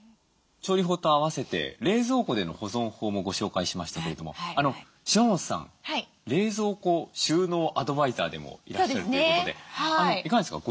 調理法と併せて冷蔵庫での保存法もご紹介しましたけれども島本さん冷蔵庫収納アドバイザーでもいらっしゃるということでいかがですか？